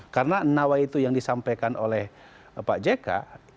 karena nawaitu yang disampaikan oleh pak jekak